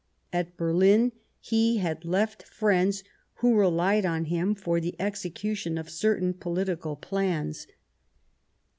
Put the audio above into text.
At Berlin he had left friends who relied on him for the execution of certain political plans.